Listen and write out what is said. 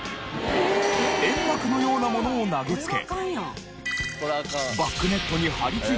煙幕のようなものを投げつけ。